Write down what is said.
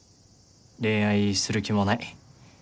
恋愛する気もない。